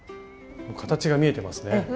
形が見えてますね。